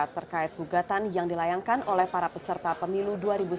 terkait gugatan yang dilayangkan oleh para peserta pemilu dua ribu sembilan belas